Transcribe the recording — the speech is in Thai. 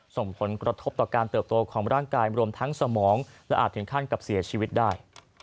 ส่งผลกระทบต่อการเติบโตของร่างกายรวมทั้งสมองและอาจถึงขั้นกับเสียชีวิตได้